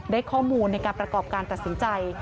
ได้ข้อมูลในการประกอบการตัดสินใจ